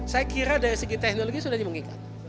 saya kira dari segi teknologi sudah dimengingat